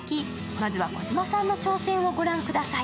まずは児嶋さんの挑戦を御覧ください。